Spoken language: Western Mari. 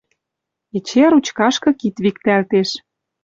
Эче ручкашкы кид виктӓлтеш